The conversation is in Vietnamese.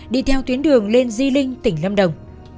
đi theo tuyến đường lên di linh tỉnh lâm đồng